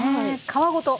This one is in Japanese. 皮ごと。